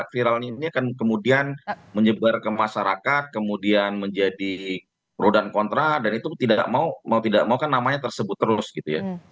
viralnya ini akan kemudian menyebar ke masyarakat kemudian menjadi pro dan kontra dan itu tidak mau tidak mau kan namanya tersebut terus gitu ya